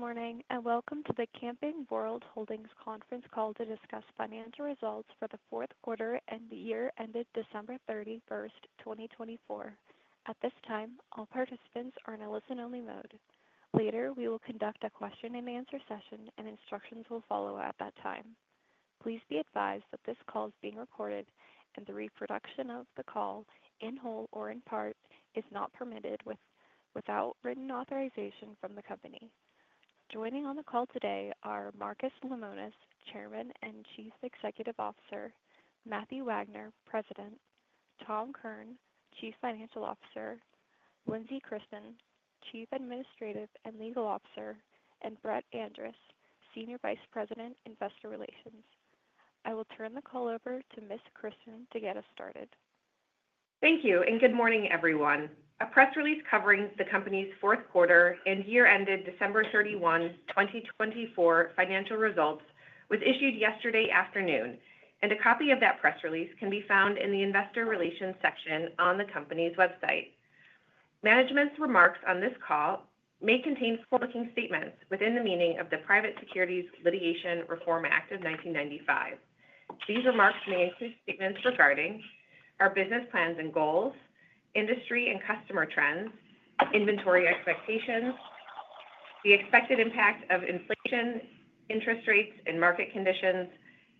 Good morning and welcome to the Camping World Holdings Conference Call to discuss financial results for the fourth quarter and the year ended December 31st, 2024. At this time, all participants are in a listen-only mode. Later, we will conduct a question-and-answer session, and instructions will follow at that time. Please be advised that this call is being recorded, and the reproduction of the call in whole or in part is not permitted without written authorization from the company. Joining on the call today are Marcus Lemonis, Chairman and Chief Executive Officer, Matthew Wagner, President, Tom Kirn, Chief Financial Officer, Lindsey Christen, Chief Administrative and Legal Officer, and Brett Andress, Senior Vice President, Investor Relations. I will turn the call over to Ms. Christen to get us started. Thank you, and good morning, everyone. A press release covering the company's fourth quarter and year-ended December 31, 2024 financial results was issued yesterday afternoon, and a copy of that press release can be found in the Investor Relations section on the company's website. Management's remarks on this call may contain forward-looking statements within the meaning of the Private Securities Litigation Reform Act of 1995. These remarks may include statements regarding our business plans and goals, industry and customer trends, inventory expectations, the expected impact of inflation, interest rates and market conditions,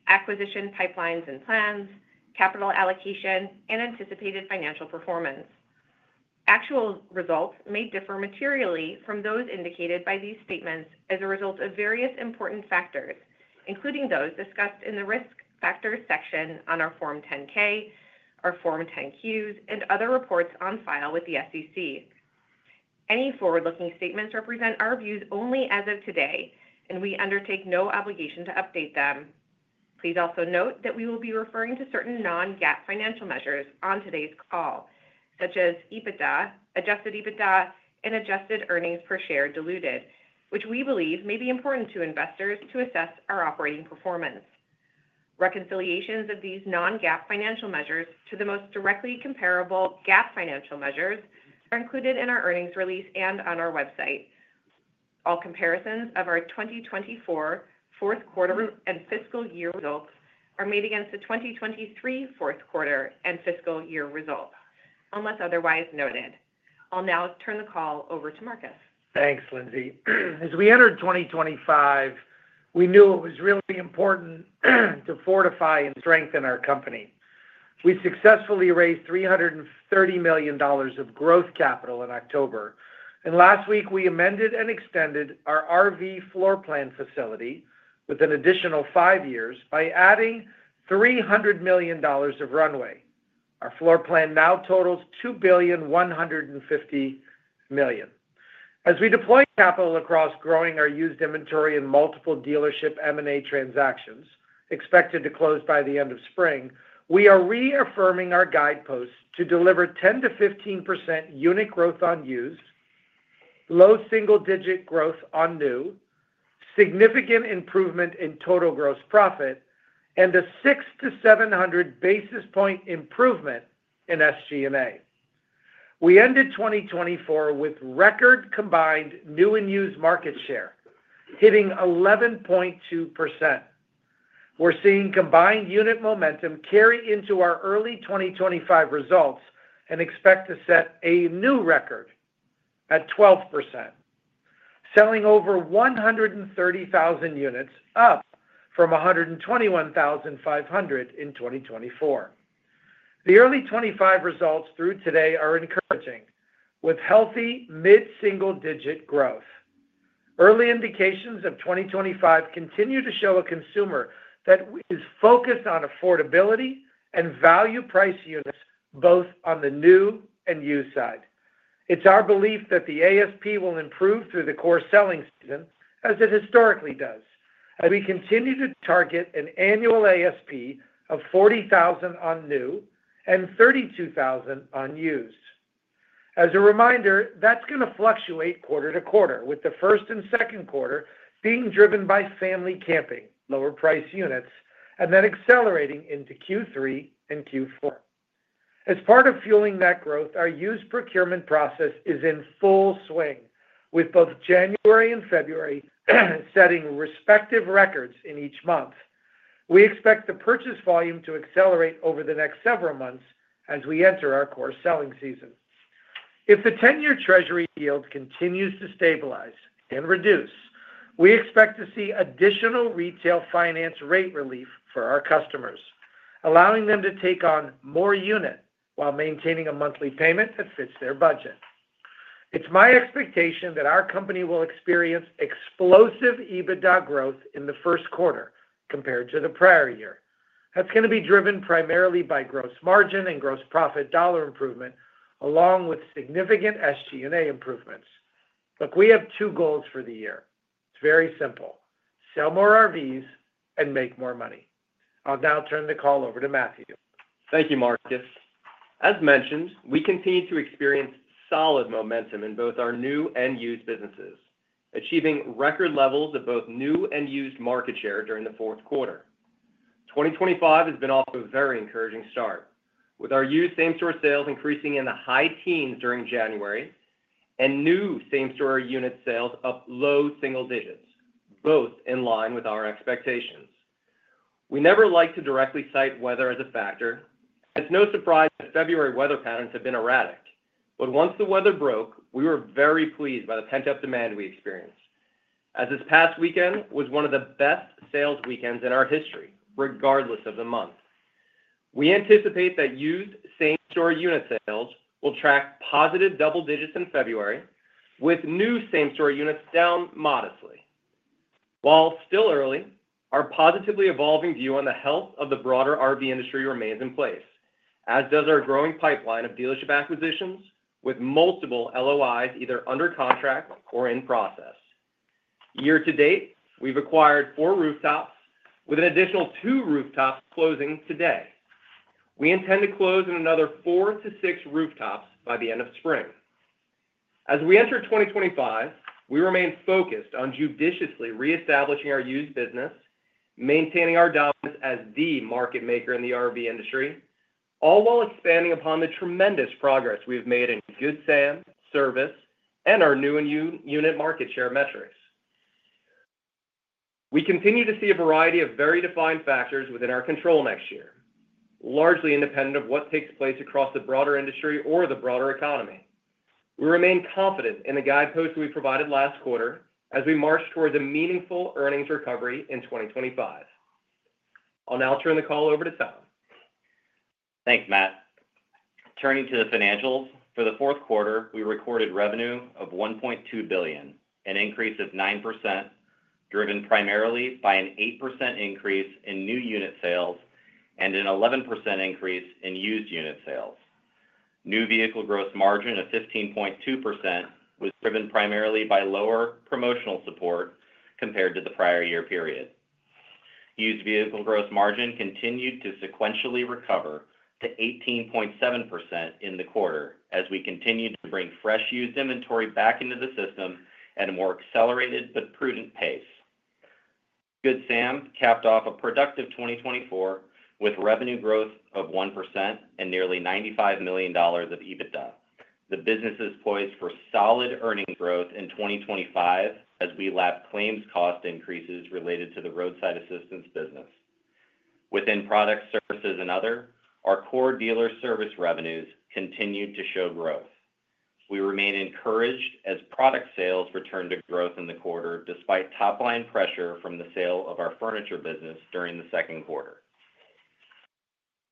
acquisition pipelines and plans, capital allocation, and anticipated financial performance. Actual results may differ materially from those indicated by these statements as a result of various important factors, including those discussed in the risk factors section on our Form 10-K, our Form 10-Q, and other reports on file with the SEC. Any forward-looking statements represent our views only as of today, and we undertake no obligation to update them. Please also note that we will be referring to certain non-GAAP financial measures on today's call, such as EBITDA, Adjusted EBITDA, and Adjusted Earnings Per Share diluted, which we believe may be important to investors to assess our operating performance. Reconciliations of these non-GAAP financial measures to the most directly comparable GAAP financial measures are included in our earnings release and on our website. All comparisons of our 2024 fourth quarter and fiscal year results are made against the 2023 fourth quarter and fiscal year results, unless otherwise noted. I'll now turn the call over to Marcus. Thanks, Lindsey. As we entered 2025, we knew it was really important to fortify and strengthen our company. We successfully raised $330 million of growth capital in October, and last week we amended and extended our RV floor plan facility with an additional five years by adding $300 million of runway. Our floor plan now totals $2,150 million. As we deploy capital across growing our used inventory in multiple dealership M&A transactions expected to close by the end of spring, we are reaffirming our guideposts to deliver 10%-15% unit growth on used, low single-digit growth on new, significant improvement in total gross profit, and a 6-700 basis point improvement in SG&A. We ended 2024 with record combined new and used market share, hitting 11.2%. We're seeing combined unit momentum carry into our early 2025 results and expect to set a new record at 12%, selling over 130,000 units, up from 121,500 in 2024. The early 2025 results through today are encouraging, with healthy mid-single-digit growth. Early indications of 2025 continue to show a consumer that is focused on affordability and value-priced units both on the new and used side. It's our belief that the ASP will improve through the core selling season, as it historically does, as we continue to target an annual ASP of $40,000 on new and $32,000 on used. As a reminder, that's going to fluctuate quarter to quarter, with the first and second quarter being driven by family camping, lower-priced units, and then accelerating into Q3 and Q4. As part of fueling that growth, our used procurement process is in full swing, with both January and February setting respective records in each month. We expect the purchase volume to accelerate over the next several months as we enter our core selling season. If the 10-year Treasury Yield continues to stabilize and reduce, we expect to see additional retail finance rate relief for our customers, allowing them to take on more units while maintaining a monthly payment that fits their budget. It's my expectation that our company will experience explosive EBITDA growth in the first quarter compared to the prior year. That's going to be driven primarily by gross margin and gross profit dollar improvement, along with significant SG&A improvements. Look, we have two goals for the year. It's very simple: sell more RVs and make more money. I'll now turn the call over to Matthew. Thank you, Marcus. As mentioned, we continue to experience solid momentum in both our new and used businesses, achieving record levels of both new and used market share during the fourth quarter. 2025 has been off a very encouraging start, with our used same-store sales increasing in the high teens during January and new same-store unit sales up low single digits, both in line with our expectations. We never like to directly cite weather as a factor. It's no surprise that February weather patterns have been erratic, but once the weather broke, we were very pleased by the pent-up demand we experienced, as this past weekend was one of the best sales weekends in our history, regardless of the month. We anticipate that used same-store unit sales will track positive double digits in February, with new same-store units down modestly. While still early, our positively evolving view on the health of the broader RV industry remains in place, as does our growing pipeline of dealership acquisitions with multiple LOIs either under contract or in process. Year to date, we've acquired four rooftops, with an additional two rooftops closing today. We intend to close in another four to six rooftops by the end of spring. As we enter 2025, we remain focused on judiciously reestablishing our used business, maintaining our dominance as the market maker in the RV industry, all while expanding upon the tremendous progress we've made in Good Sam, service, and our new and used unit market share metrics. We continue to see a variety of very defined factors within our control next year, largely independent of what takes place across the broader industry or the broader economy. We remain confident in the guideposts we provided last quarter as we march towards a meaningful earnings recovery in 2025. I'll now turn the call over to Tom. Thanks, Matt. Turning to the financials, for the fourth quarter, we recorded revenue of $1.2 billion, an increase of 9%, driven primarily by an 8% increase in new unit sales and an 11% increase in used unit sales. New vehicle gross margin of 15.2% was driven primarily by lower promotional support compared to the prior year period. Used vehicle gross margin continued to sequentially recover to 18.7% in the quarter, as we continued to bring fresh used inventory back into the system at a more accelerated but prudent pace. Good Sam capped off a productive 2024 with revenue growth of 1% and nearly $95 million of EBITDA. The business is poised for solid earnings growth in 2025 as we lap claims cost increases related to the roadside assistance business. Within Products, Services, and Other, our core dealer service revenues continued to show growth. We remain encouraged as product sales returned to growth in the quarter, despite top-line pressure from the sale of our furniture business during the second quarter.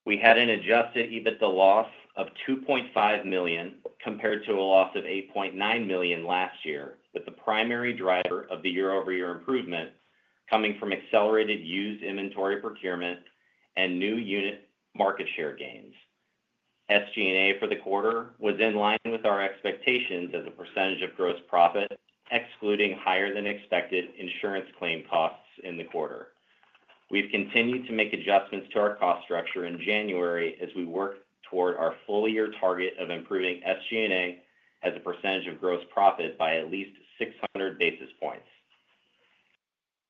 We had an Adjusted EBITDA loss of $2.5 million compared to a loss of $8.9 million last year, with the primary driver of the year-over-year improvement coming from accelerated used inventory procurement and new unit market share gains. SG&A for the quarter was in line with our expectations as a percentage of gross profit, excluding higher-than-expected insurance claim costs in the quarter. We've continued to make adjustments to our cost structure in January as we work toward our full-year target of improving SG&A as a percentage of gross profit by at least 600 basis points.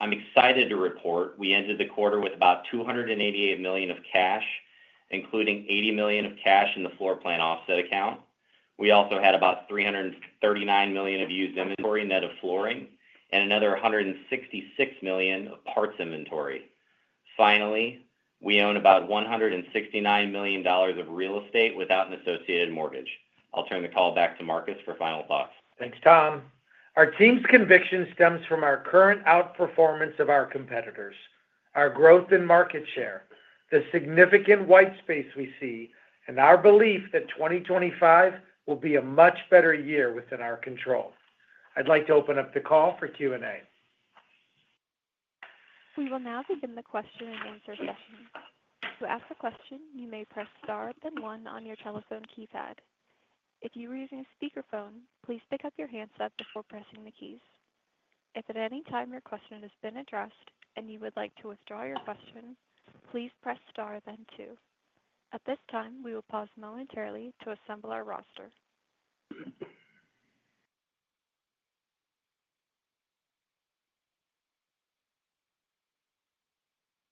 I'm excited to report we ended the quarter with about $288 million of cash, including $80 million of cash in the floor plan offset account. We also had about $339 million of used inventory net of flooring and another $166 million of parts inventory. Finally, we own about $169 million of real estate without an associated mortgage. I'll turn the call back to Marcus for final thoughts. Thanks, Tom. Our team's conviction stems from our current outperformance of our competitors, our growth in market share, the significant white space we see, and our belief that 2025 will be a much better year within our control. I'd like to open up the call for Q&A. We will now begin the question-and-answer session. To ask a question, you may press star then one on your telephone keypad. If you are using a speakerphone, please pick up your handset before pressing the keys. If at any time your question has been addressed and you would like to withdraw your question, please press star then two. At this time, we will pause momentarily to assemble our roster.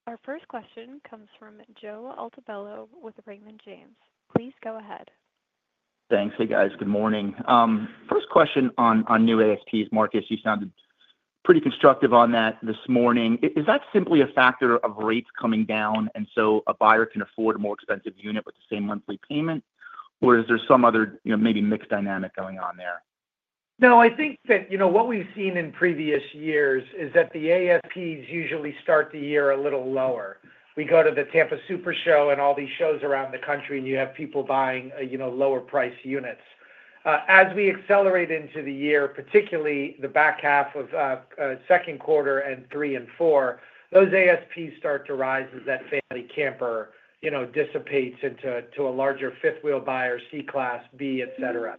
Our first question comes from Joe Altobello with Raymond James. Please go ahead. Thanks, hey guys, good morning. First question on new ASPs, Marcus, you sounded pretty constructive on that this morning. Is that simply a factor of rates coming down and so a buyer can afford a more expensive unit with the same monthly payment, or is there some other maybe mixed dynamic going on there? No, I think that what we've seen in previous years is that the ASPs usually start the year a little lower. We go to the Tampa SuperShow and all these shows around the country, and you have people buying lower-priced units. As we accelerate into the year, particularly the back half of second quarter and three and four, those ASPs start to rise as that family camper dissipates into a larger fifth wheel buyer, Class C, Class B, etc.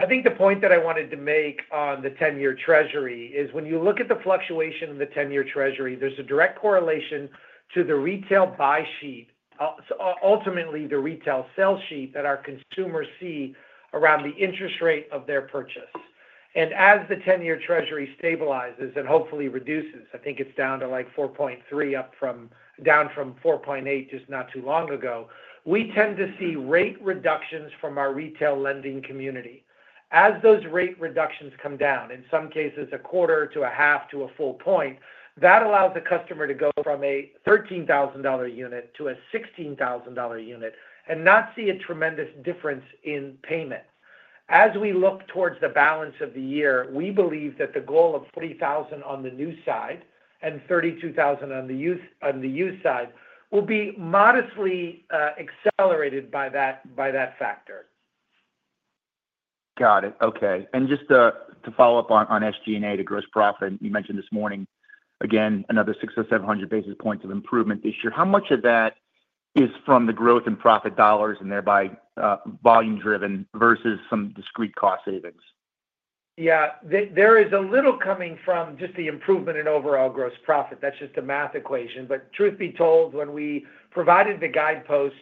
I think the point that I wanted to make on the 10-year Treasury is when you look at the fluctuation in the 10-year Treasury, there's a direct correlation to the retail buy sheet, ultimately the retail sell sheet that our consumers see around the interest rate of their purchase. As the 10-year Treasury stabilizes and hopefully reduces, I think it's down to like 4.3, down from 4.8 just not too long ago, we tend to see rate reductions from our retail lending community. As those rate reductions come down, in some cases a quarter to a half to a full point, that allows the customer to go from a $13,000 unit to a $16,000 unit and not see a tremendous difference in payment. As we look towards the balance of the year, we believe that the goal of $40,000 on the new side and $32,000 on the used side will be modestly accelerated by that factor. Got it. Okay, and just to follow up on SG&A, the gross profit, you mentioned this morning, again, another 600-700 basis points of improvement this year. How much of that is from the growth in profit dollars and thereby volume-driven versus some discrete cost savings? Yeah. There is a little coming from just the improvement in overall gross profit. That's just a math equation. But truth be told, when we provided the guideposts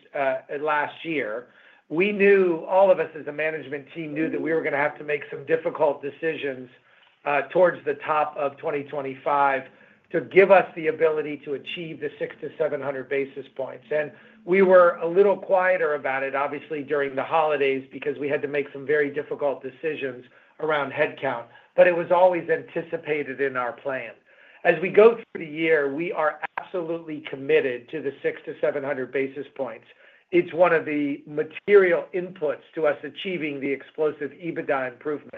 last year, we knew, all of us as a management team knew that we were going to have to make some difficult decisions towards the top of 2025 to give us the ability to achieve the 600-700 basis points. And we were a little quieter about it, obviously during the holidays, because we had to make some very difficult decisions around headcount. But it was always anticipated in our plan. As we go through the year, we are absolutely committed to the 600-700 basis points. It's one of the material inputs to us achieving the explosive EBITDA improvement.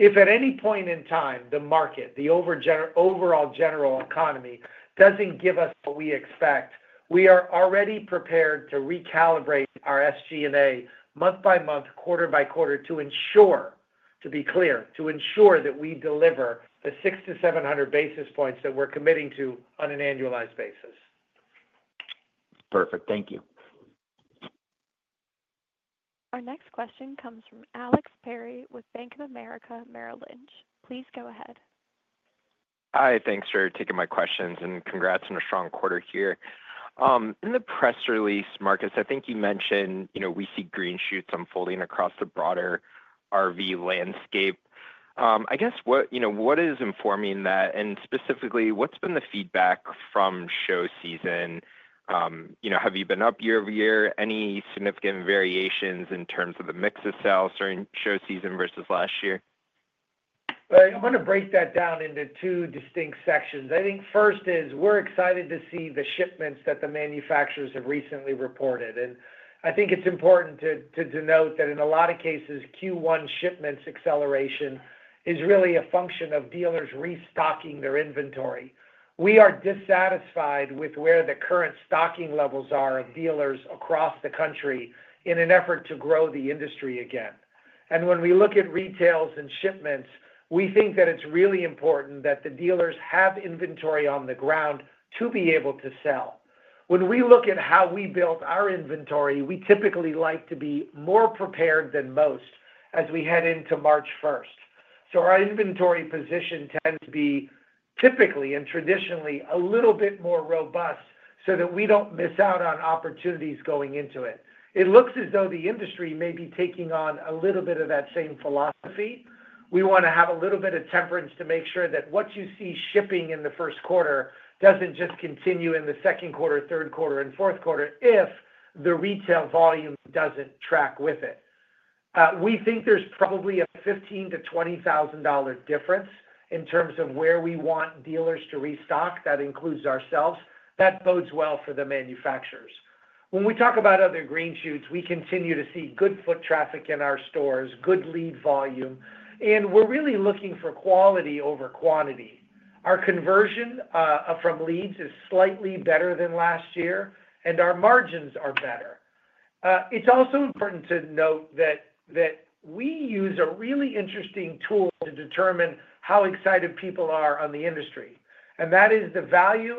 If at any point in time the market, the overall general economy, doesn't give us what we expect, we are already prepared to recalibrate our SG&A month by month, quarter by quarter, to ensure, to be clear, to ensure that we deliver the 600-700 basis points that we're committing to on an annualized basis. Perfect. Thank you. Our next question comes from Alex Perry with Bank of America Merrill Lynch. Please go ahead. Hi. Thanks for taking my questions and congrats on a strong quarter here. In the press release, Marcus, I think you mentioned we see green shoots unfolding across the broader RV landscape. I guess what is informing that, and specifically, what's been the feedback from show season? Have you been up year-over-year? Any significant variations in terms of the mix of sales during show season versus last year? I want to break that down into two distinct sections. I think first is we're excited to see the shipments that the manufacturers have recently reported, and I think it's important to note that in a lot of cases, Q1 shipments acceleration is really a function of dealers restocking their inventory. We are dissatisfied with where the current stocking levels are of dealers across the country in an effort to grow the industry again, and when we look at retails and shipments, we think that it's really important that the dealers have inventory on the ground to be able to sell. When we look at how we built our inventory, we typically like to be more prepared than most as we head into March 1st. Our inventory position tends to be typically and traditionally a little bit more robust so that we don't miss out on opportunities going into it. It looks as though the industry may be taking on a little bit of that same philosophy. We want to have a little bit of temperance to make sure that what you see shipping in the first quarter doesn't just continue in the second quarter, third quarter, and fourth quarter if the retail volume doesn't track with it. We think there's probably a $15,000-$20,000 difference in terms of where we want dealers to restock. That includes ourselves. That bodes well for the manufacturers. When we talk about other green shoots, we continue to see good foot traffic in our stores, good lead volume, and we're really looking for quality over quantity. Our conversion from leads is slightly better than last year, and our margins are better. It's also important to note that we use a really interesting tool to determine how excited people are on the industry. And that is the value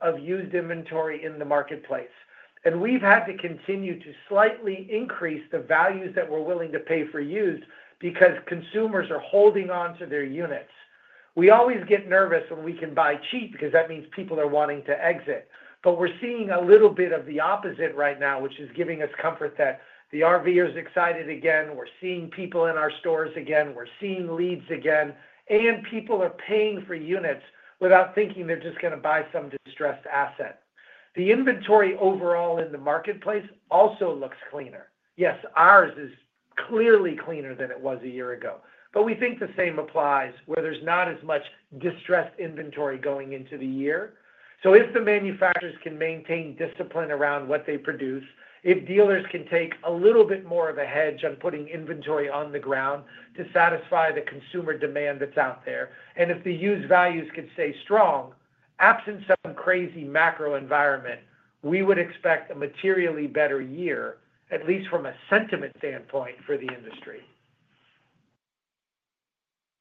of used inventory in the marketplace. And we've had to continue to slightly increase the values that we're willing to pay for used because consumers are holding on to their units. We always get nervous when we can buy cheap because that means people are wanting to exit. But we're seeing a little bit of the opposite right now, which is giving us comfort that the RVer is excited again. We're seeing people in our stores again. We're seeing leads again. And people are paying for units without thinking they're just going to buy some distressed asset. The inventory overall in the marketplace also looks cleaner. Yes, ours is clearly cleaner than it was a year ago. But we think the same applies where there's not as much distressed inventory going into the year. So if the manufacturers can maintain discipline around what they produce, if dealers can take a little bit more of a hedge on putting inventory on the ground to satisfy the consumer demand that's out there, and if the used values could stay strong, absent some crazy macro environment, we would expect a materially better year, at least from a sentiment standpoint for the industry.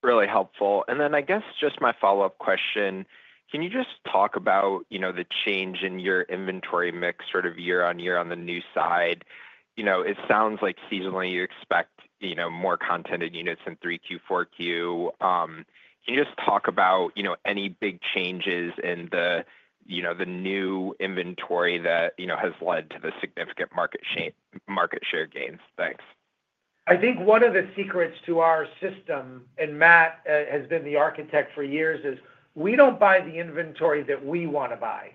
Really helpful, and then I guess just my follow-up question. Can you just talk about the change in your inventory mix sort of year-on-year on the new side? It sounds like seasonally you expect more consigned units in 3Q, 4Q. Can you just talk about any big changes in the new inventory that has led to the significant market share gains? Thanks. I think one of the secrets to our system, and Matt has been the architect for years, is we don't buy the inventory that we want to buy.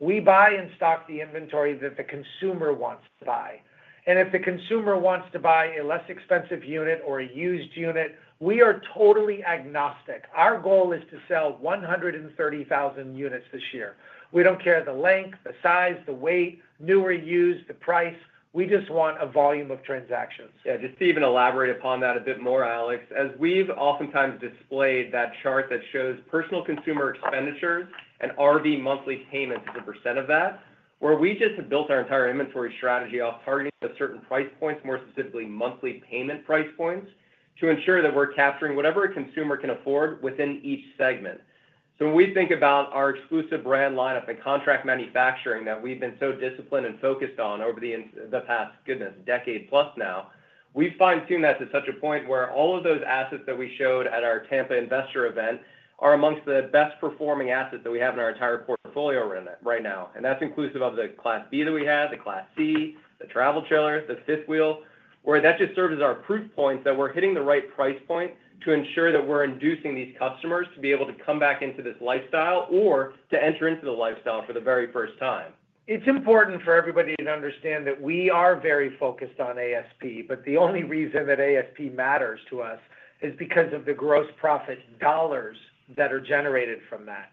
We buy and stock the inventory that the consumer wants to buy, and if the consumer wants to buy a less expensive unit or a used unit, we are totally agnostic. Our goal is to sell 130,000 units this year. We don't care the length, the size, the weight, new or used, the price. We just want a volume of transactions. Yeah. Just to even elaborate upon that a bit more, Alex, as we've oftentimes displayed that chart that shows personal consumer expenditures and RV monthly payments as a percent of that, where we just have built our entire inventory strategy off targeting a certain price point, more specifically monthly payment price points, to ensure that we're capturing whatever a consumer can afford within each segment. So when we think about our exclusive brand lineup and contract manufacturing that we've been so disciplined and focused on over the past, goodness, decade plus now, we've fine-tuned that to such a point where all of those assets that we showed at our Tampa Investor event are amongst the best-performing assets that we have in our entire portfolio right now. That's inclusive of the Class B that we had, the Class C, the Travel Trailer, the Fifth Wheel, where that just serves as our proof points that we're hitting the right price point to ensure that we're inducing these customers to be able to come back into this lifestyle or to enter into the lifestyle for the very first time. It's important for everybody to understand that we are very focused on ASP, but the only reason that ASP matters to us is because of the gross profit dollars that are generated from that.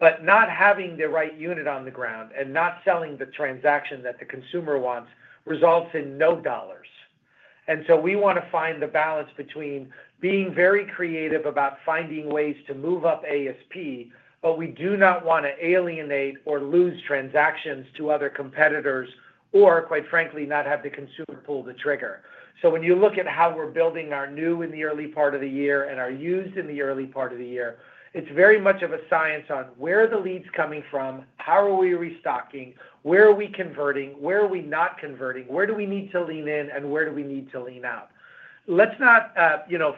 But not having the right unit on the ground and not selling the transaction that the consumer wants results in no dollars. And so we want to find the balance between being very creative about finding ways to move up ASP, but we do not want to alienate or lose transactions to other competitors or, quite frankly, not have the consumer pull the trigger. So when you look at how we're building our new in the early part of the year and our used in the early part of the year, it's very much of a science on where are the leads coming from, how are we restocking, where are we converting, where are we not converting, where do we need to lean in, and where do we need to lean out. Let's not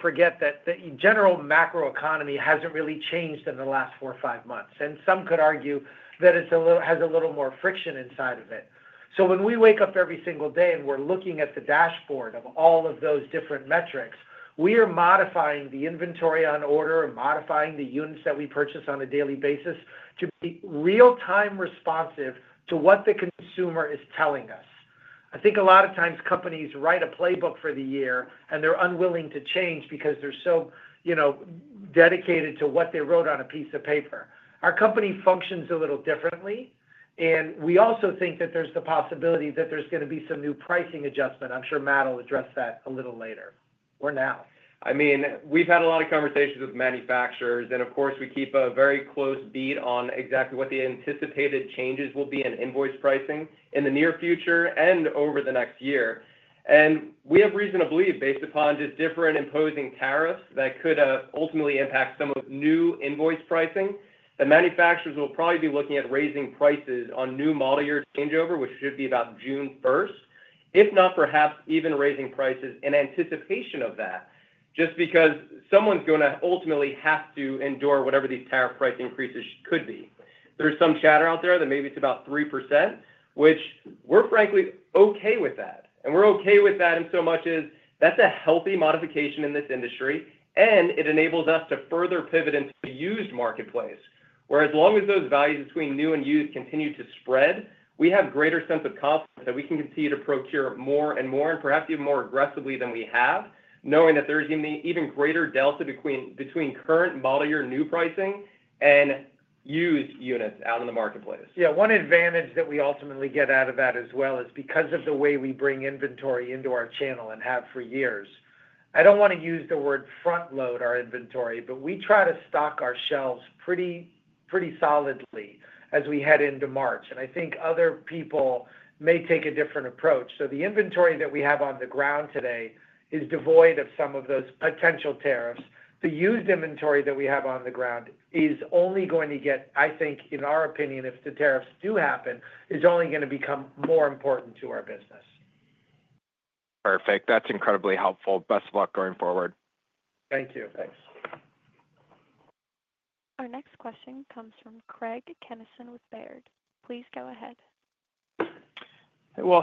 forget that the general macro economy hasn't really changed in the last four or five months. And some could argue that it has a little more friction inside of it. So when we wake up every single day and we're looking at the dashboard of all of those different metrics, we are modifying the inventory on order and modifying the units that we purchase on a daily basis to be real-time responsive to what the consumer is telling us. I think a lot of times companies write a playbook for the year and they're unwilling to change because they're so dedicated to what they wrote on a piece of paper. Our company functions a little differently, and we also think that there's the possibility that there's going to be some new pricing adjustment. I'm sure Matt will address that a little later or now. I mean, we've had a lot of conversations with manufacturers, and of course, we keep a very close beat on exactly what the anticipated changes will be in invoice pricing in the near future and over the next year. We have reason to believe based upon just different imposing tariffs that could ultimately impact some of new invoice pricing, that manufacturers will probably be looking at raising prices on new model year changeover, which should be about June 1st, if not perhaps even raising prices in anticipation of that, just because someone's going to ultimately have to endure whatever these tariff price increases could be. There's some chatter out there that maybe it's about 3%, which we're frankly okay with that. We're okay with that in so much as that's a healthy modification in this industry, and it enables us to further pivot into the used marketplace. As long as those values between new and used continue to spread, we have greater sense of confidence that we can continue to procure more and more and perhaps even more aggressively than we have, knowing that there's even greater delta between current model year new pricing and used units out in the marketplace. Yeah. One advantage that we ultimately get out of that as well is because of the way we bring inventory into our channel and have for years. I don't want to use the word front-load our inventory, but we try to stock our shelves pretty solidly as we head into March. And I think other people may take a different approach. So the inventory that we have on the ground today is devoid of some of those potential tariffs. The used inventory that we have on the ground is only going to get, I think, in our opinion, if the tariffs do happen, is only going to become more important to our business. Perfect. That's incredibly helpful. Best of luck going forward. Thank you. Thanks. Our next question comes from Craig Kennison with Baird. Please go ahead.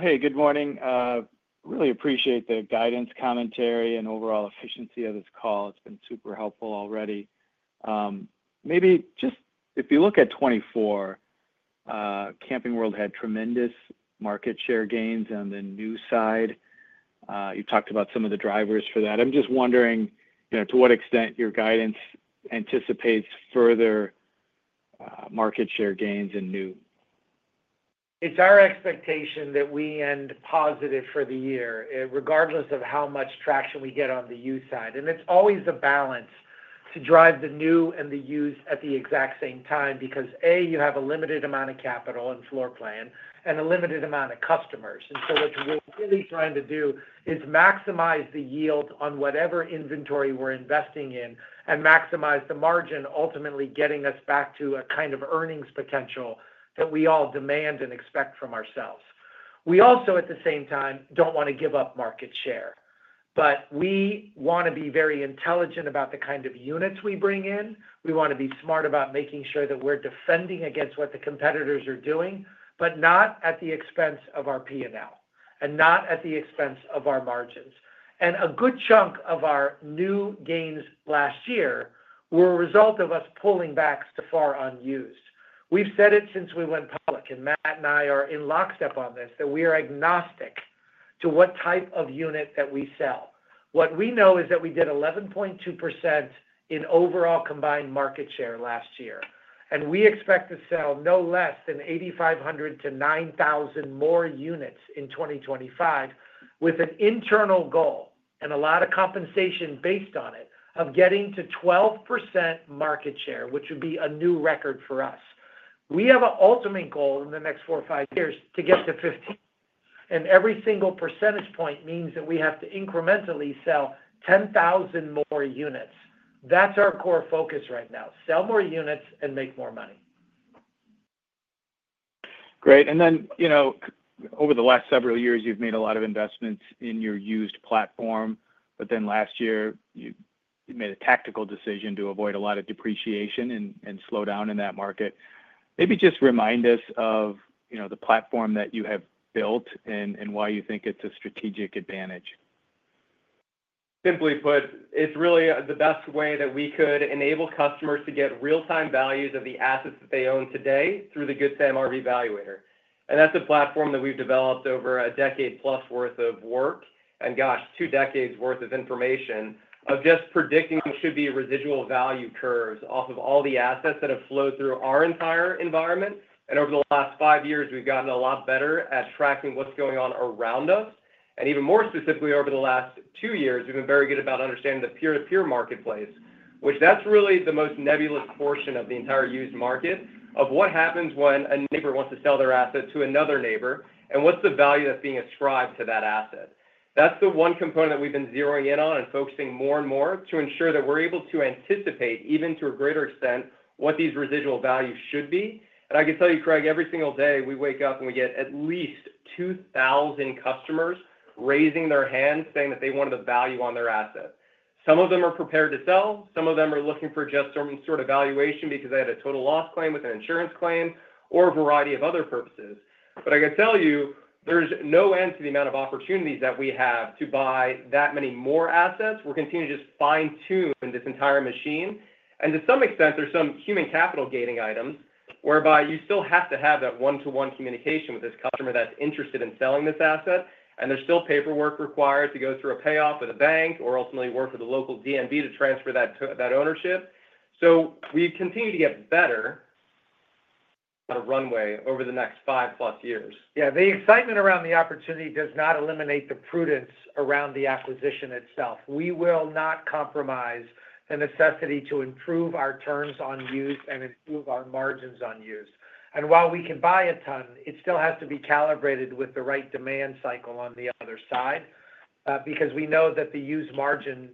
Hey, good morning. Really appreciate the guidance, commentary, and overall efficiency of this call. It's been super helpful already. Maybe just if you look at 2024, Camping World had tremendous market share gains on the new side. You talked about some of the drivers for that. I'm just wondering to what extent your guidance anticipates further market share gains and new. It's our expectation that we end positive for the year, regardless of how much traction we get on the used side, and it's always a balance to drive the new and the used at the exact same time because, A, you have a limited amount of capital and floor plan and a limited amount of customers, and so what we're really trying to do is maximize the yield on whatever inventory we're investing in and maximize the margin, ultimately getting us back to a kind of earnings potential that we all demand and expect from ourselves. We also, at the same time, don't want to give up market share, but we want to be very intelligent about the kind of units we bring in. We want to be smart about making sure that we're defending against what the competitors are doing, but not at the expense of our P&L and not at the expense of our margins, and a good chunk of our new gains last year were a result of us pulling back so far on used. We've said it since we went public, and Matt and I are in lockstep on this, that we are agnostic to what type of unit that we sell. What we know is that we did 11.2% in overall combined market share last year, and we expect to sell no less than 8,500-9,000 more units in 2025 with an internal goal and a lot of compensation based on it of getting to 12% market share, which would be a new record for us. We have an ultimate goal in the next four or five years to get to 15, and every single percentage point means that we have to incrementally sell 10,000 more units. That's our core focus right now: sell more units and make more money. Great. And then over the last several years, you've made a lot of investments in your used platform, but then last year you made a tactical decision to avoid a lot of depreciation and slow down in that market. Maybe just remind us of the platform that you have built and why you think it's a strategic advantage. Simply put, it's really the best way that we could enable customers to get real-time values of the assets that they own today through the Good Sam RV Valuator, and that's a platform that we've developed over a decade-plus worth of work and, gosh, two decades' worth of information of just predicting what should be residual value curves off of all the assets that have flowed through our entire environment, and over the last five years, we've gotten a lot better at tracking what's going on around us, and even more specifically, over the last two years, we've been very good about understanding the peer-to-peer marketplace, which that's really the most nebulous portion of the entire used market of what happens when a neighbor wants to sell their asset to another neighbor and what's the value that's being ascribed to that asset. That's the one component that we've been zeroing in on and focusing more and more to ensure that we're able to anticipate, even to a greater extent, what these residual values should be, and I can tell you, Craig, every single day we wake up and we get at least 2,000 customers raising their hands saying that they wanted the value on their asset. Some of them are prepared to sell. Some of them are looking for just some sort of valuation because they had a total loss claim with an insurance claim or a variety of other purposes, but I can tell you there's no end to the amount of opportunities that we have to buy that many more assets. We're continuing to just fine-tune this entire machine. And to some extent, there's some human capital gating items whereby you still have to have that one-to-one communication with this customer that's interested in selling this asset. And there's still paperwork required to go through a payoff with a bank or ultimately work with a local DMV to transfer that ownership. So we continue to get better at a runway over the next five-plus years. Yeah. The excitement around the opportunity does not eliminate the prudence around the acquisition itself. We will not compromise the necessity to improve our terms on used and improve our margins on used. And while we can buy a ton, it still has to be calibrated with the right demand cycle on the other side because we know that the used margin,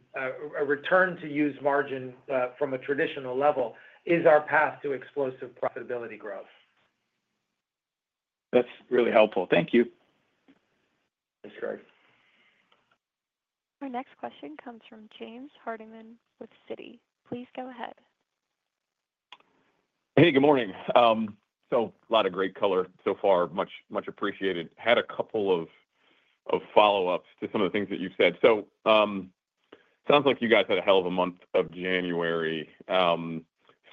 a return to used margin from a traditional level, is our path to explosive profitability growth. That's really helpful. Thank you. Thanks, Craig. Our next question comes from James Hardiman with Citi. Please go ahead. Hey, good morning. So a lot of great color so far, much appreciated. Had a couple of follow-ups to some of the things that you've said. So it sounds like you guys had a hell of a month of January,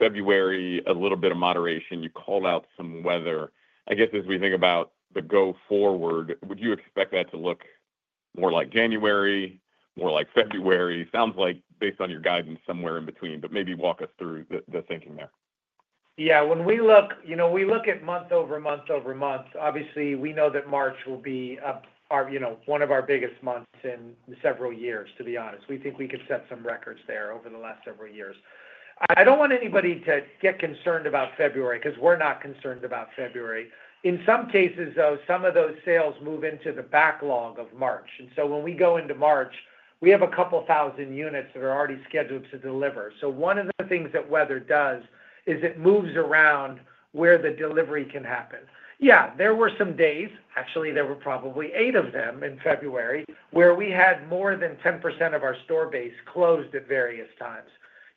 February, a little bit of moderation. You called out some weather. I guess as we think about the go-forward, would you expect that to look more like January, more like February? Sounds like, based on your guidance, somewhere in between, but maybe walk us through the thinking there. Yeah. When we look at month over month over month. Obviously, we know that March will be one of our biggest months in several years, to be honest. We think we could set some records there over the last several years. I don't want anybody to get concerned about February because we're not concerned about February. In some cases, though, some of those sales move into the backlog of March. And so when we go into March, we have a couple thousand units that are already scheduled to deliver. So one of the things that weather does is it moves around where the delivery can happen. Yeah. There were some days, actually, there were probably eight of them in February, where we had more than 10% of our store base closed at various times.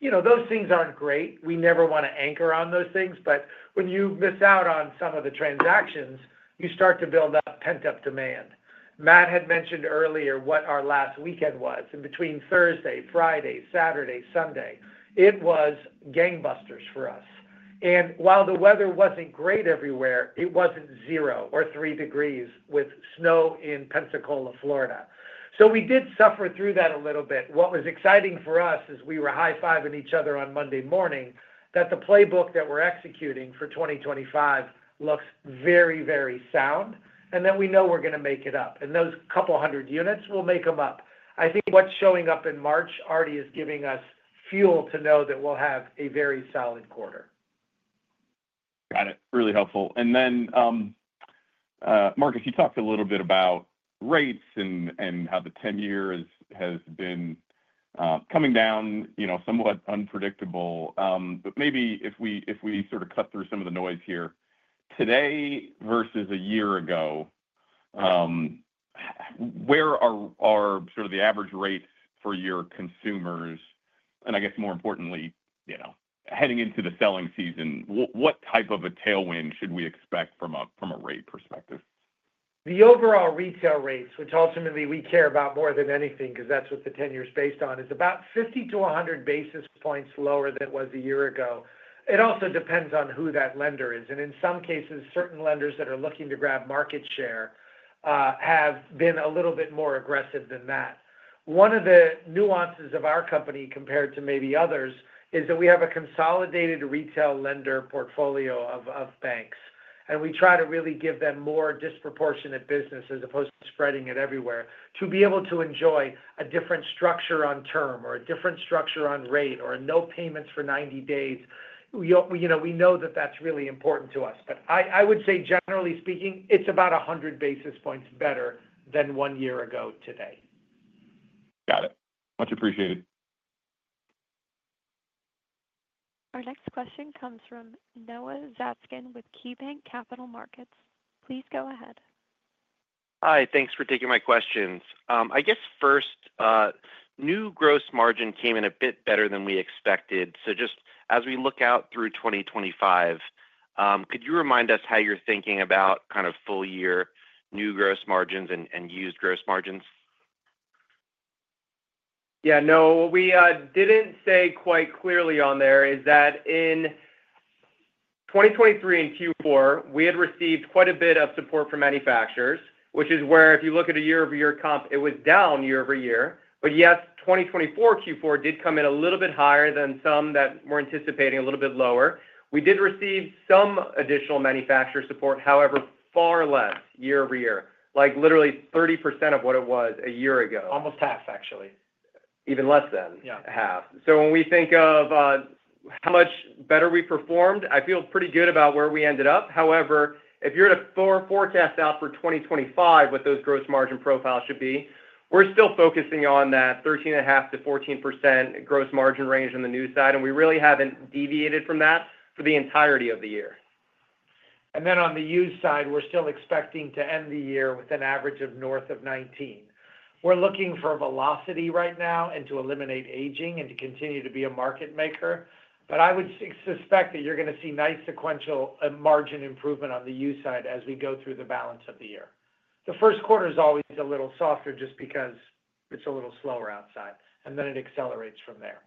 Those things aren't great. We never want to anchor on those things. When you miss out on some of the transactions, you start to build up pent-up demand. Matt had mentioned earlier what our last weekend was. Between Thursday, Friday, Saturday, Sunday, it was gangbusters for us. While the weather wasn't great everywhere, it wasn't zero or three degrees Fahrenheit with snow in Pensacola, Florida. We did suffer through that a little bit. What was exciting for us is we were high-fiving each other on Monday morning that the playbook that we're executing for 2025 looks very, very sound and that we know we're going to make it up. Those couple hundred units, we'll make them up. I think what's showing up in March already is giving us fuel to know that we'll have a very solid quarter. Got it. Really helpful. And then, Marcus, you talked a little bit about rates and how the 10-year has been coming down somewhat unpredictable. But maybe if we sort of cut through some of the noise here, today versus a year ago, where are sort of the average rates for your consumers? And I guess, more importantly, heading into the selling season, what type of a tailwind should we expect from a rate perspective? The overall retail rates, which ultimately we care about more than anything because that's what the 10-year's based on, is about 50-100 basis points lower than it was a year ago. It also depends on who that lender is. And in some cases, certain lenders that are looking to grab market share have been a little bit more aggressive than that. One of the nuances of our company compared to maybe others is that we have a consolidated retail lender portfolio of banks. And we try to really give them more disproportionate business as opposed to spreading it everywhere to be able to enjoy a different structure on term or a different structure on rate or no payments for 90 days. We know that that's really important to us. But I would say, generally speaking, it's about 100 basis points better than one year ago today. Got it. Much appreciated. Our next question comes from Noah Zatzkin with KeyBanc Capital Markets. Please go ahead. Hi. Thanks for taking my questions. I guess first, new gross margin came in a bit better than we expected. So just as we look out through 2025, could you remind us how you're thinking about kind of full-year new gross margins and used gross margins? Yeah. No. What we didn't say quite clearly on there is that in 2023 and Q4, we had received quite a bit of support from manufacturers, which is where if you look at a year-over-year comp, it was down year-over-year. But yes, 2024 Q4 did come in a little bit higher than some that were anticipating a little bit lower. We did receive some additional manufacturer support, however, far less year-over-year, like literally 30% of what it was a year ago. Almost half, actually. Even less than half. So when we think of how much better we performed, I feel pretty good about where we ended up. However, if you're to forecast out for 2025 what those gross margin profiles should be, we're still focusing on that 13.5%-14% gross margin range on the new side. And we really haven't deviated from that for the entirety of the year. And then on the used side, we're still expecting to end the year with an average of north of 19%. We're looking for velocity right now and to eliminate aging and to continue to be a market maker. But I would suspect that you're going to see nice sequential margin improvement on the used side as we go through the balance of the year. The first quarter is always a little softer just because it's a little slower outside. It accelerates from there.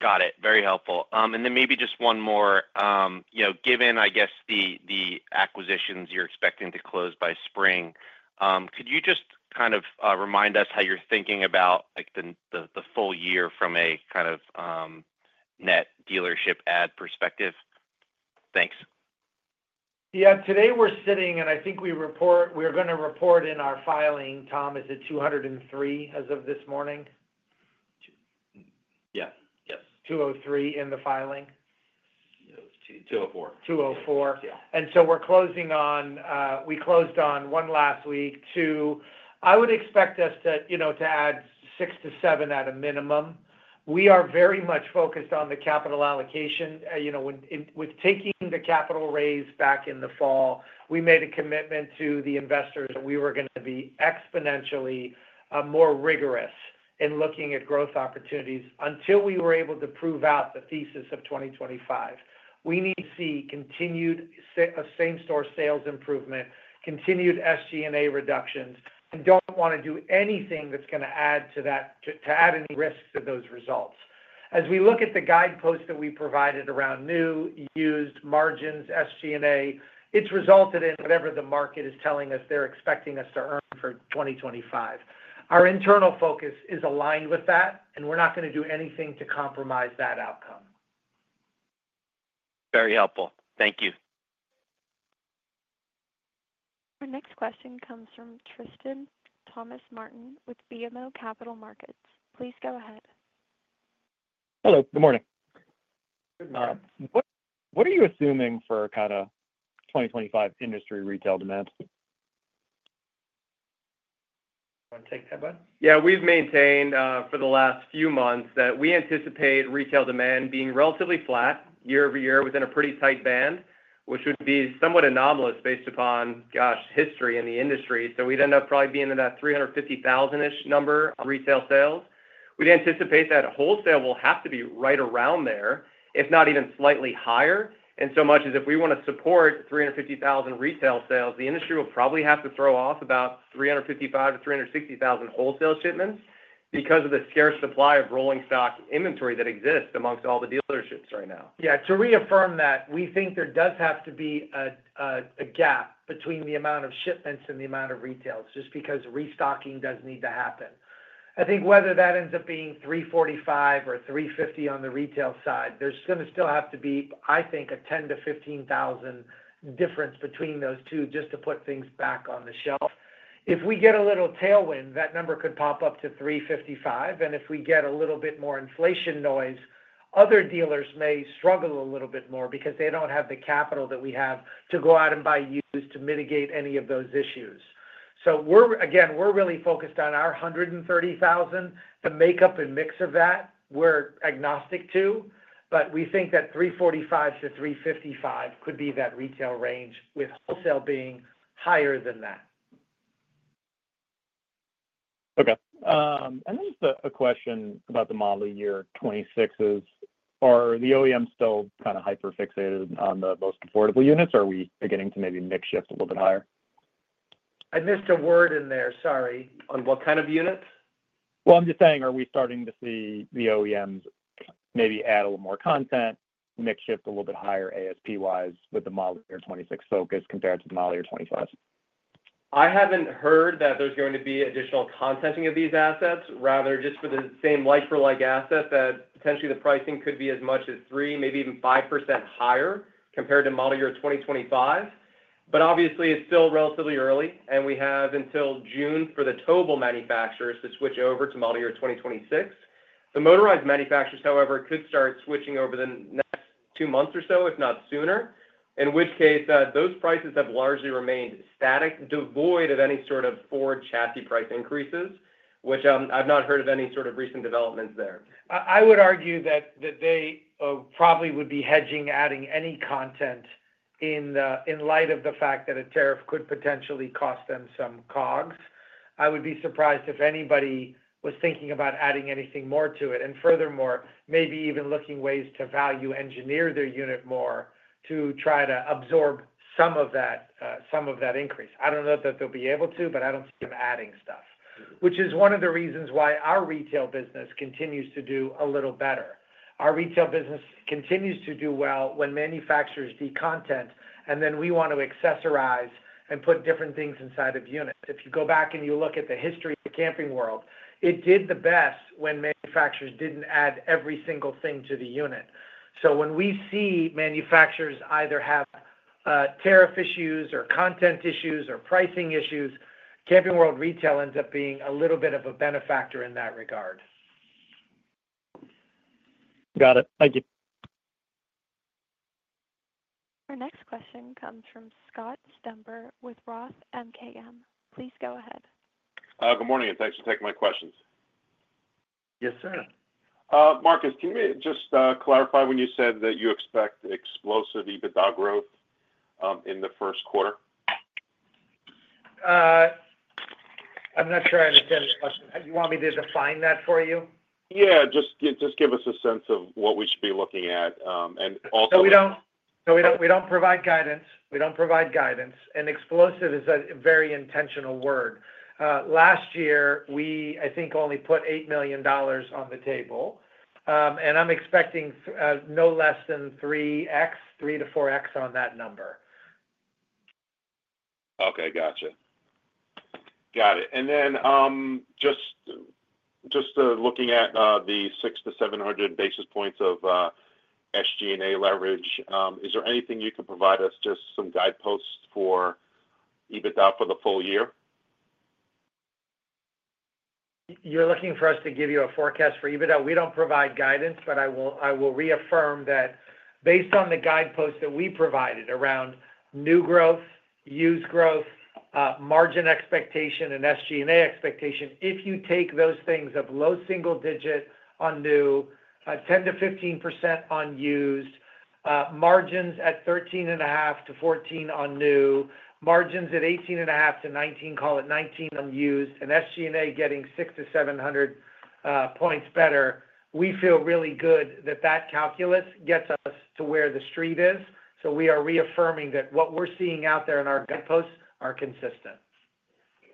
Got it. Very helpful. And then maybe just one more. Given, I guess, the acquisitions you're expecting to close by spring, could you just kind of remind us how you're thinking about the full year from a kind of net dealership add perspective? Thanks. Yeah. Today we're sitting, and I think we're going to report in our filing, Tom, is it 203 as of this morning? Yeah. Yes. 203 in the filing? 204. We closed on one last week. Too, I would expect us to add six to seven at a minimum. We are very much focused on the capital allocation. With taking the capital raise back in the fall, we made a commitment to the investors that we were going to be exponentially more rigorous in looking at growth opportunities until we were able to prove out the thesis of 2025. We need to see continued same-store sales improvement, continued SG&A reductions. We don't want to do anything that's going to add to any risks to those results. As we look at the guideposts that we provided around new, used, margins, SG&A, it's resulted in whatever the market is telling us they're expecting us to earn for 2025. Our internal focus is aligned with that, and we're not going to do anything to compromise that outcome. Very helpful. Thank you. Our next question comes from Tristan Thomas-Martin with BMO Capital Markets. Please go ahead. Hello. Good morning. Good morning. What are you assuming for kind of 2025 industry retail demand? Want to take that, bud? Yeah. We've maintained for the last few months that we anticipate retail demand being relatively flat year-over-year within a pretty tight band, which would be somewhat anomalous based upon, gosh, history in the industry. So we'd end up probably being in that 350,000-ish number on retail sales. We'd anticipate that wholesale will have to be right around there, if not even slightly higher. And so much as if we want to support 350,000 retail sales, the industry will probably have to throw off about 355,000 to 360,000 wholesale shipments because of the scarce supply of rolling stock inventory that exists amongst all the dealerships right now. Yeah. To reaffirm that, we think there does have to be a gap between the amount of shipments and the amount of retails just because restocking does need to happen. I think whether that ends up being 345 or 350 on the retail side, there's going to still have to be, I think, a 10,000-15,000 difference between those two just to put things back on the shelf. If we get a little tailwind, that number could pop up to 355. And if we get a little bit more inflation noise, other dealers may struggle a little bit more because they don't have the capital that we have to go out and buy used to mitigate any of those issues. So again, we're really focused on our 130,000. The makeup and mix of that, we're agnostic to. But we think that 345-355 could be that retail range with wholesale being higher than that. Okay, and then just a question about the model year 2026. Are the OEMs still kind of hyper-fixated on the most affordable units, or are we beginning to maybe shift a little bit higher? I missed a word in there. Sorry. On what kind of units? I'm just saying, are we starting to see the OEMs maybe add a little more content, make it a little bit higher ASP-wise with the model year 2026 focus compared to the model year 2025? I haven't heard that there's going to be additional contenting of these assets. Rather, just for the same like-for-like asset that potentially the pricing could be as much as 3%-5% higher compared to model year 2025. But obviously, it's still relatively early, and we have until June for the towable manufacturers to switch over to model year 2026. The motorized manufacturers, however, could start switching over the next two months or so, if not sooner, in which case those prices have largely remained static, devoid of any sort of Ford chassis price increases, which I've not heard of any sort of recent developments there. I would argue that they probably would be hedging adding any content in light of the fact that a tariff could potentially cost them some COGS. I would be surprised if anybody was thinking about adding anything more to it. And furthermore, maybe even looking ways to value engineer their unit more to try to absorb some of that increase. I don't know that they'll be able to, but I don't see them adding stuff, which is one of the reasons why our retail business continues to do a little better. Our retail business continues to do well when manufacturers decontent, and then we want to accessorize and put different things inside of units. If you go back and you look at the history of the Camping World, it did the best when manufacturers didn't add every single thing to the unit. So when we see manufacturers either have tariff issues or content issues or pricing issues, Camping World retail ends up being a little bit of a benefactor in that regard. Got it. Thank you. Our next question comes from Scott Stember with Roth MKM. Please go ahead. Good morning, and thanks for taking my questions. Yes, sir. Marcus, can you just clarify when you said that you expect explosive EBITDA growth in the first quarter? I'm not sure I understand the question. You want me to define that for you? Yeah. Just give us a sense of what we should be looking at and also. We don't provide guidance. We don't provide guidance. And explosive is a very intentional word. Last year, we, I think, only put $8 million on the table. And I'm expecting no less than 3x, 3 to 4x on that number. Okay. Gotcha. Got it. And then just looking at the 6-700 basis points of SG&A leverage, is there anything you can provide us, just some guideposts for EBITDA for the full year? You're looking for us to give you a forecast for EBITDA? We don't provide guidance, but I will reaffirm that based on the guideposts that we provided around new growth, used growth, margin expectation, and SG&A expectation, if you take those things of low single digit on new, 10%-15% on used, margins at 13.5%-14% on new, margins at 18.5%-19%, call it 19% on used, and SG&A getting 6 to 700 points better, we feel really good that that calculus gets us to where the street is. So we are reaffirming that what we're seeing out there in our guideposts are consistent.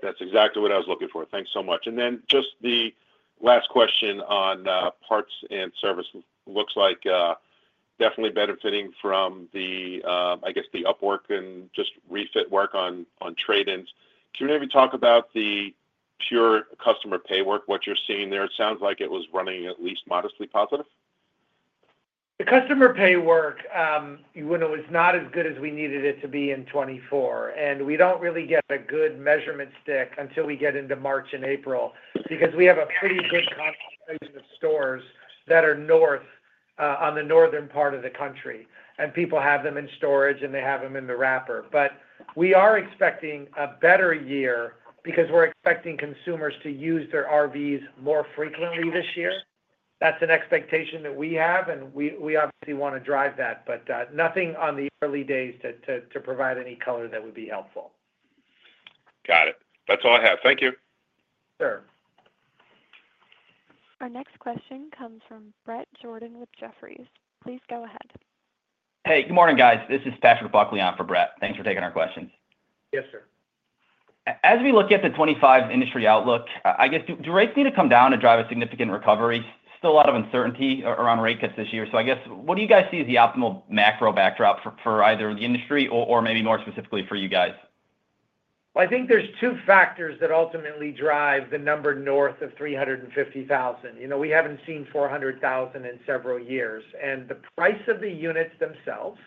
That's exactly what I was looking for. Thanks so much, and then just the last question on parts and service. Looks like it's definitely benefiting from the, I guess, the upfit work and just refit work on trade-ins. Can you maybe talk about the pure customer pay work, what you're seeing there? It sounds like it was running at least modestly positive. The customer-pay work, when it was not as good as we needed it to be in 2024, and we don't really get a good measurement stick until we get into March and April because we have a pretty good concentration of stores that are on the northern part of the country, and people have them in storage, and they have them in the wrapper, but we are expecting a better year because we're expecting consumers to use their RVs more frequently this year. That's an expectation that we have, and we obviously want to drive that, but nothing on the early days to provide any color that would be helpful. Got it. That's all I have. Thank you. Sure. Our next question comes from Bret Jordan with Jefferies. Please go ahead. Hey. Good morning, guys. This is Patrick Buckley on for Brett. Thanks for taking our questions. Yes, sir. As we look at the 2025 industry outlook, I guess do rates need to come down to drive a significant recovery? Still a lot of uncertainty around rate cuts this year. So I guess, what do you guys see as the optimal macro backdrop for either the industry or maybe more specifically for you guys? I think there's two factors that ultimately drive the number north of 350,000. We haven't seen 400,000 in several years. The price of the units themselves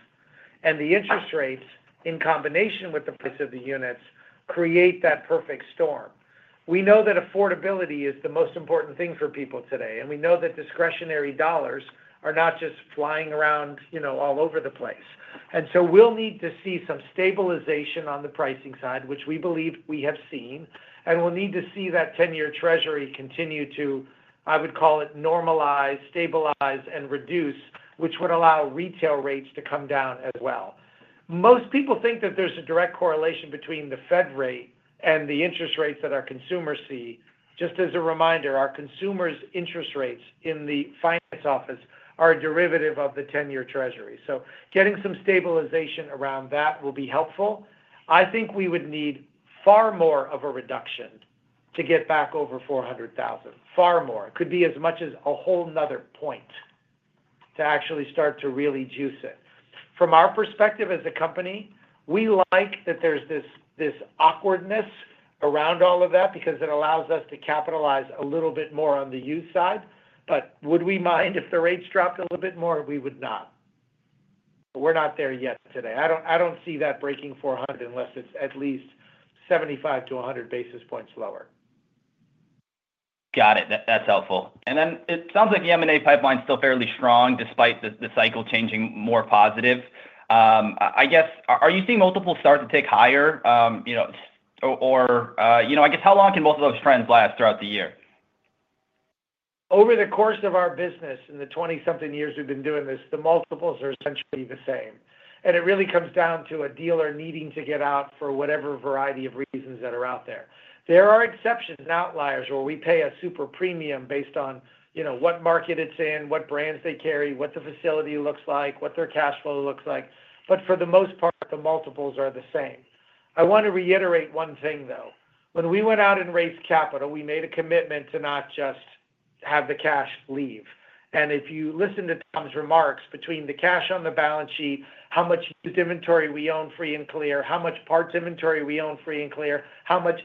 and the interest rates in combination with the price of the units create that perfect storm. We know that affordability is the most important thing for people today. We know that discretionary dollars are not just flying around all over the place. We'll need to see some stabilization on the pricing side, which we believe we have seen. We'll need to see that 10-year Treasury continue to, I would call it, normalize, stabilize, and reduce, which would allow retail rates to come down as well. Most people think that there's a direct correlation between the Fed rate and the interest rates that our consumers see. Just as a reminder, our consumers' interest rates in the finance office are a derivative of the 10-year treasury. So getting some stabilization around that will be helpful. I think we would need far more of a reduction to get back over 400,000. Far more. It could be as much as a whole nother point to actually start to really juice it. From our perspective as a company, we like that there's this awkwardness around all of that because it allows us to capitalize a little bit more on the used side. But would we mind if the rates dropped a little bit more? We would not. We're not there yet today. I don't see that breaking 400 unless it's at least 75 to 100 basis points lower. Got it. That's helpful. And then it sounds like the M&A pipeline is still fairly strong despite the cycle changing more positive. I guess, are you seeing multiples start to tick higher? Or I guess, how long can both of those trends last throughout the year? Over the course of our business, in the 20-something years we've been doing this, the multiples are essentially the same. And it really comes down to a dealer needing to get out for whatever variety of reasons that are out there. There are exceptions and outliers where we pay a super premium based on what market it's in, what brands they carry, what the facility looks like, what their cash flow looks like. But for the most part, the multiples are the same. I want to reiterate one thing, though. When we went out and raised capital, we made a commitment to not just have the cash leave. And if you listen to Tom's remarks, between the cash on the balance sheet, how much used inventory we own free and clear, how much parts inventory we own free and clear, how much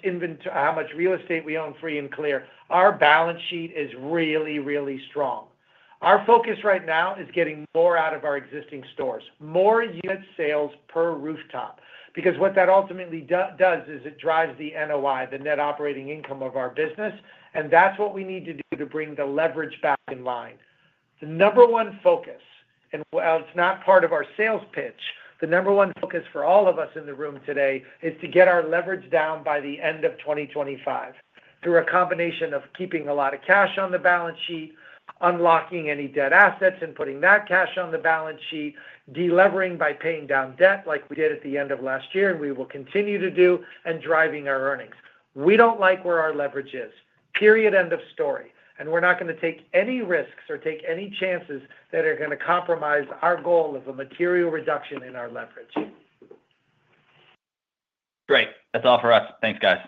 real estate we own free and clear, our balance sheet is really, really strong. Our focus right now is getting more out of our existing stores, more unit sales per rooftop. Because what that ultimately does is it drives the NOI, the net operating income of our business. And that's what we need to do to bring the leverage back in line. The number one focus, and it's not part of our sales pitch, the number one focus for all of us in the room today is to get our leverage down by the end of 2025 through a combination of keeping a lot of cash on the balance sheet, unlocking any debt assets and putting that cash on the balance sheet, delevering by paying down debt like we did at the end of last year and we will continue to do, and driving our earnings. We don't like where our leverage is. Period. End of story. And we're not going to take any risks or take any chances that are going to compromise our goal of a material reduction in our leverage. Great. That's all for us. Thanks, guys.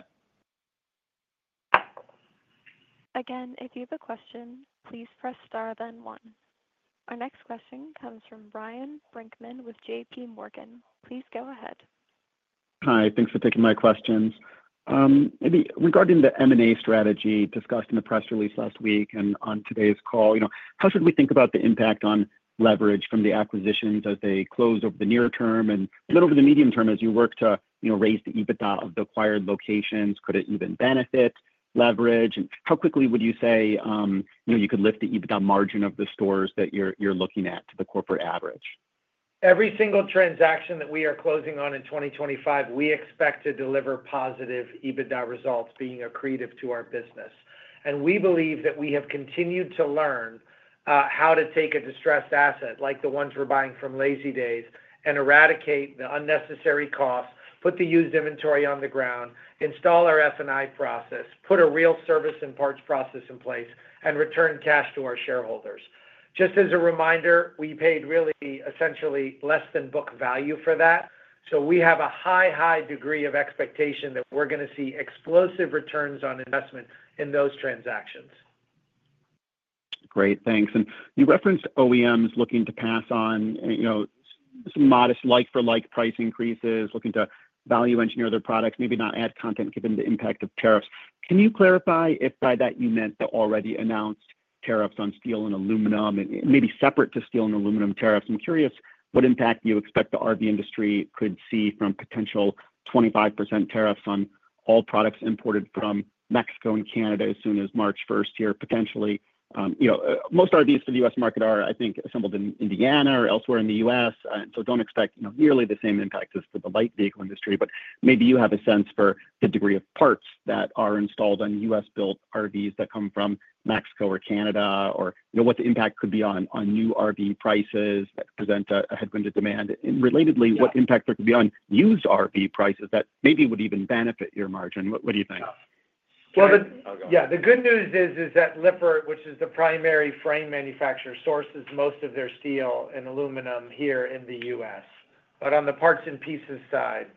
Again, if you have a question, please press star, then one. Our next question comes from Ryan Brinkman with JPMorgan. Please go ahead. Hi. Thanks for taking my questions. Regarding the M&A strategy discussed in the press release last week and on today's call, how should we think about the impact on leverage from the acquisitions as they close over the near term and then over the medium term as you work to raise the EBITDA of the acquired locations? Could it even benefit leverage? And how quickly would you say you could lift the EBITDA margin of the stores that you're looking at to the corporate average? Every single transaction that we are closing on in 2025, we expect to deliver positive EBITDA results being accretive to our business. And we believe that we have continued to learn how to take a distressed asset like the ones we're buying from Lazydays and eradicate the unnecessary costs, put the used inventory on the ground, install our F&I process, put a real service and parts process in place, and return cash to our shareholders. Just as a reminder, we paid really essentially less than book value for that. So we have a high, high degree of expectation that we're going to see explosive returns on investment in those transactions. Great. Thanks, and you referenced OEMs looking to pass on some modest like-for-like price increases, looking to value engineer their products, maybe not add content given the impact of tariffs. Can you clarify if by that you meant the already announced tariffs on steel and aluminum, maybe separate to steel and aluminum tariffs? I'm curious what impact you expect the RV industry could see from potential 25% tariffs on all products imported from Mexico and Canada as soon as March 1st here, potentially. Most RVs for the U.S. market are, I think, assembled in Indiana or elsewhere in the U.S., and so don't expect nearly the same impact as for the light vehicle industry. But maybe you have a sense for the degree of parts that are installed on U.S.-built RVs that come from Mexico or Canada or what the impact could be on new RV prices that present a headwind to demand? And relatedly, what impact there could be on used RV prices that maybe would even benefit your margin? What do you think? Yeah. The good news is that Lippert, which is the primary frame manufacturer, sources most of their steel and aluminum here in the U.S. But on the parts and pieces side,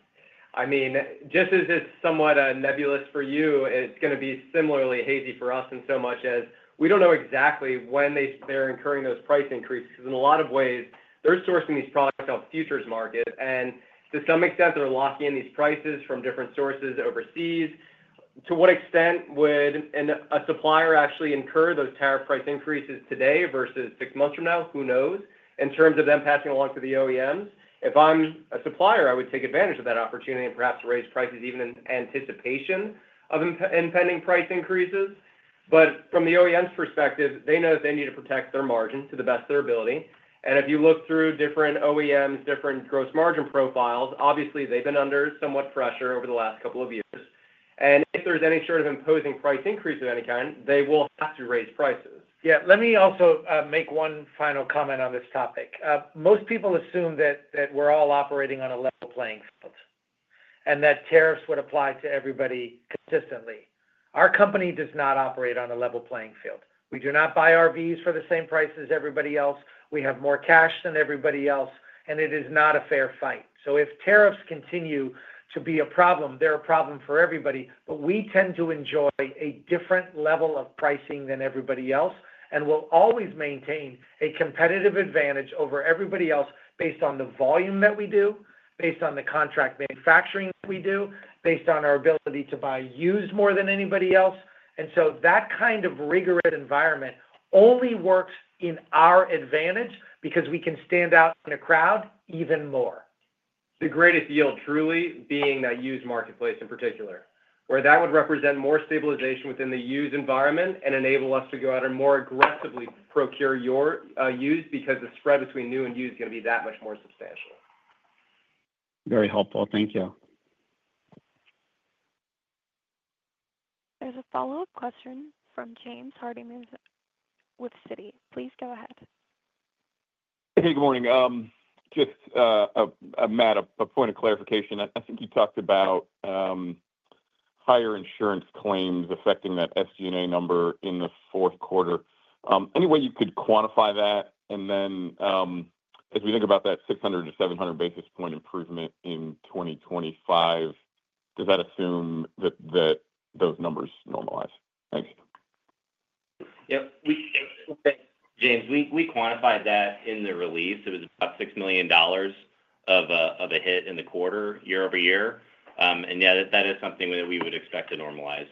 I mean, just as it's somewhat nebulous for you, it's going to be similarly hazy for us in so much as we don't know exactly when they're incurring those price increases. Because in a lot of ways, they're sourcing these products off futures market. And to some extent, they're locking in these prices from different sources overseas. To what extent would a supplier actually incur those tariff price increases today versus six months from now? Who knows? In terms of them passing along to the OEMs, if I'm a supplier, I would take advantage of that opportunity and perhaps raise prices even in anticipation of impending price increases. But from the OEM's perspective, they know that they need to protect their margin to the best of their ability. And if you look through different OEMs, different gross margin profiles, obviously, they've been under somewhat pressure over the last couple of years. And if there's any sort of imposing price increase of any kind, they will have to raise prices. Yeah. Let me also make one final comment on this topic. Most people assume that we're all operating on a level playing field and that tariffs would apply to everybody consistently. Our company does not operate on a level playing field. We do not buy RVs for the same price as everybody else. We have more cash than everybody else. And it is not a fair fight. So if tariffs continue to be a problem, they're a problem for everybody. But we tend to enjoy a different level of pricing than everybody else and will always maintain a competitive advantage over everybody else based on the volume that we do, based on the contract manufacturing that we do, based on our ability to buy used more than anybody else. And so that kind of rigorous environment only works in our advantage because we can stand out in a crowd even more. The greatest yield, truly, being that used marketplace in particular, where that would represent more stabilization within the used environment and enable us to go out and more aggressively procure used because the spread between new and used is going to be that much more substantial. Very helpful. Thank you. There's a follow-up question from James Hardiman with Citi. Please go ahead. Hey. Good morning. Just a point of clarification. I think you talked about higher insurance claims affecting that SG&A number in the fourth quarter. Any way you could quantify that? And then as we think about that 600-700 basis point improvement in 2025, does that assume that those numbers normalize? Thanks. Yep. Thanks, James. We quantified that in the release. It was about $6 million of a hit in the quarter year-over-year. And yeah, that is something that we would expect to normalize.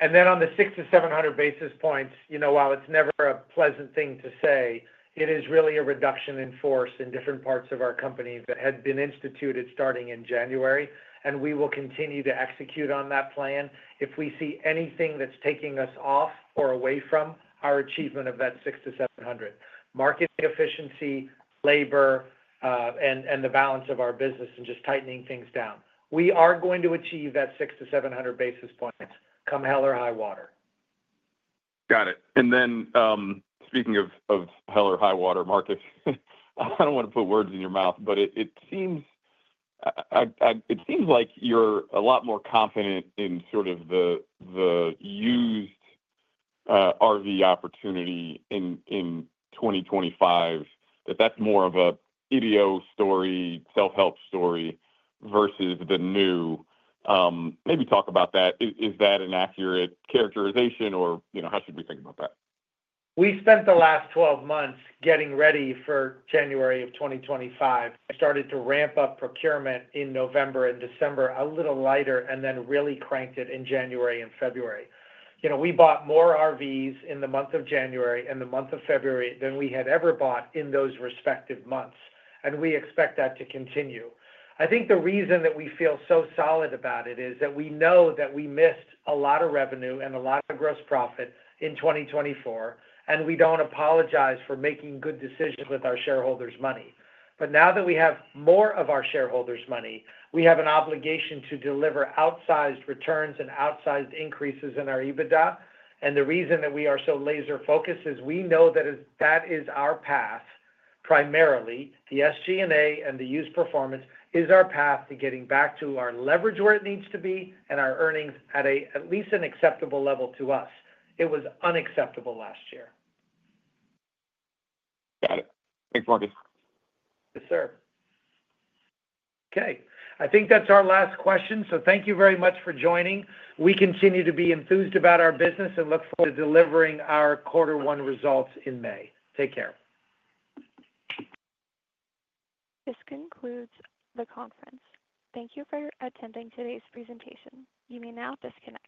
And then on the 6-700 basis points, while it's never a pleasant thing to say, it is really a reduction in force in different parts of our company that had been instituted starting in January. And we will continue to execute on that plan if we see anything that's taking us off or away from our achievement of that 6-700: marketing efficiency, labor, and the balance of our business and just tightening things down. We are going to achieve that 6-700 basis points come hell or high water. Got it. And then speaking of hell or high water markets, I don't want to put words in your mouth, but it seems like you're a lot more confident in sort of the used RV opportunity in 2025, that that's more of an idiosyncratic story, self-help story versus the new. Maybe talk about that. Is that an accurate characterization or how should we think about that? We spent the last 12 months getting ready for January of 2025. We started to ramp up procurement in November and December a little lighter and then really cranked it in January and February. We bought more RVs in the month of January and the month of February than we had ever bought in those respective months. And we expect that to continue. I think the reason that we feel so solid about it is that we know that we missed a lot of revenue and a lot of gross profit in 2024. And we don't apologize for making good decisions with our shareholders' money. But now that we have more of our shareholders' money, we have an obligation to deliver outsized returns and outsized increases in our EBITDA. And the reason that we are so laser-focused is we know that that is our path, primarily. The SG&A and the used performance is our path to getting back to our leverage where it needs to be and our earnings at least an acceptable level to us. It was unacceptable last year. Got it. Thanks, Marcus. Yes, sir. Okay. I think that's our last question. So thank you very much for joining. We continue to be enthused about our business and look forward to delivering our Quarter One results in May. Take care. This concludes the conference. Thank you for attending today's presentation. You may now disconnect.